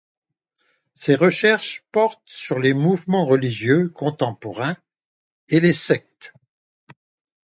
Ses recherches portent sur les mouvements religieux contemporains et les sectes.